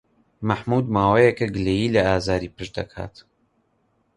مەحموود ماوەیەکە گلەیی لە ئازاری پشت دەکات.